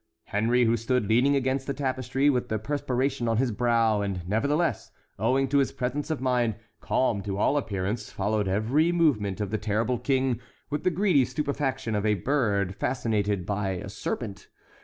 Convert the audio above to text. Henry, who stood leaning against the tapestry, with the perspiration on his brow, and nevertheless, owing to his presence of mind, calm to all appearance, followed every movement of the terrible king with the greedy stupefaction of a bird fascinated by a serpent.